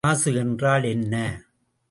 மாசு என்றால் என்ன?